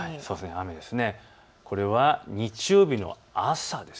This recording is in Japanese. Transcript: これは日曜日の朝です。